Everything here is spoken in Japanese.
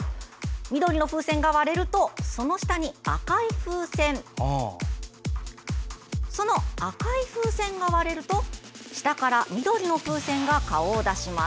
緑の風船が割れるとその下に赤い風船その赤い風船が割れると下から緑の風船が顔を出します。